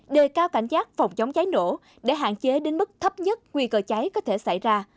đề cao cảnh giác phòng chống cháy nổ để hạn chế đến mức thấp nhất nguy cơ cháy có thể xảy ra